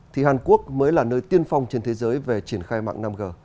thì hàn quốc mới là nơi tiên phong trên thế giới về triển khai mạng năm g